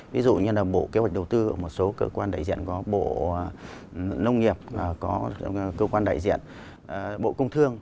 ví dụ như là bộ kế hoạch đầu tư một số cơ quan đại diện có bộ nông nghiệp và có cơ quan đại diện bộ công thương